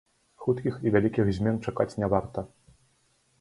Хуткіх і вялікіх змен чакаць не варта.